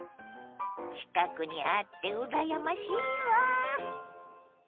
近くにあってうらやましいわ。